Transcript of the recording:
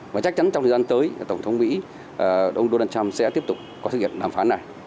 và chắc chắn trong thời gian tới tổng thống mỹ donald trump sẽ tiếp tục có thực hiện đàm phán này